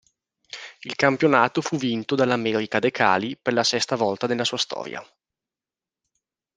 Il campionato fu vinto dall'América de Cali per la sesta volta nella sua storia.